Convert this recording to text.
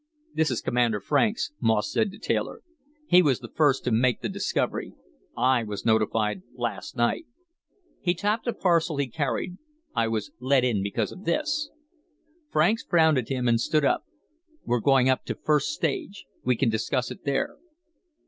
"This is Commander Franks," Moss said to Taylor. "He was the first to make the discovery. I was notified last night." He tapped a parcel he carried. "I was let in because of this." Franks frowned at him and stood up. "We're going up to first stage. We can discuss it there."